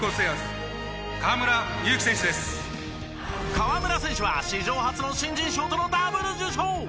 河村選手は史上初の新人賞とのダブル受賞！